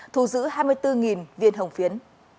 thù giữ hai mươi bốn viên hồng phiến